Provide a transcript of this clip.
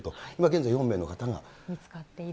現在、４名の方が。